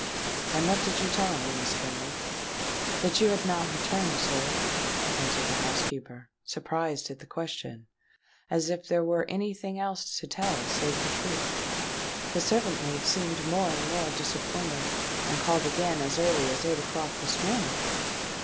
"And what did you tell her, Mrs. Kenrick?" "That you had not returned, sir," answered the housekeeper, surprised at the question, as if there were any thing else to tell save the truth. "The servant maid seemed more and more disappointed, and called again as early as eight o'clock this morning."